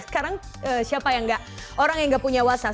sekarang siapa yang gak orang yang gak punya whatsapp